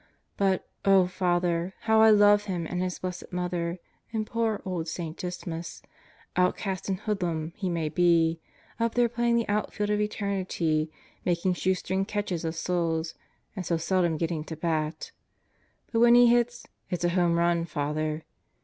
But, oh, Father, how I love Him and His Blessed Mother and poor old St. Dismas outcast and hoodlum he may be, up there playing the outfield of eternity, making shoestring catches of souls, and so seldom getting to bat. But when he hits, it's a home run, Father.